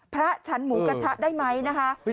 พระฉันหมูกระทะได้ไหมนะคะ